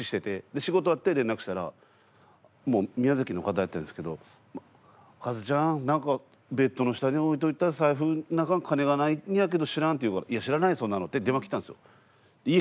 で仕事終わって連絡したらもう宮崎の方やったんですけど「かずちゃんなんかベットの下に置いといた財布中金がないんやけど知らん？」って言うから「いや知らないそんなの」って電話切ったんですよ。